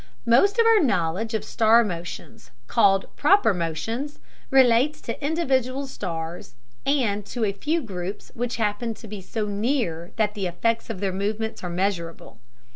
Most of our knowledge of star motions, called "proper motions," relates to individual stars and to a few groups which happen to be so near that the effects of their movements are measurable.